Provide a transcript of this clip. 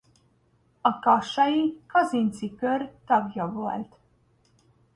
A kassai Kazinczy-kör tagja volt.